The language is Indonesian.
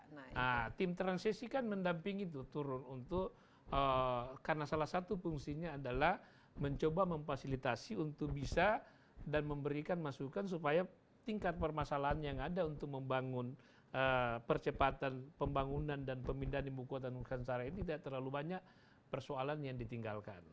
nah tim transisi kan mendampingi itu turun untuk karena salah satu fungsinya adalah mencoba memfasilitasi untuk bisa dan memberikan masukan supaya tingkat permasalahan yang ada untuk membangun percepatan pembangunan dan pemindahan imbu kuatan nusantara ini tidak terlalu banyak persoalan yang ditinggalkan